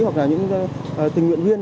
hoặc là những tình nguyện viên